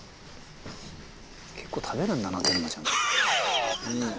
結構食べるんだなテルマちゃん。